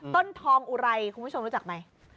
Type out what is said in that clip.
ต้นทองอุไรคุณผู้ชมรู้จักไหม